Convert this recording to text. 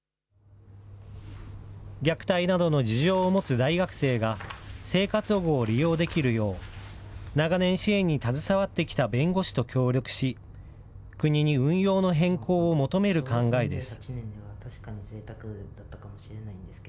虐待などの事情を持つ大学生が生活保護を利用できるよう、長年支援に携わってきた弁護士と協力し、国に運用の変更を求める考えです。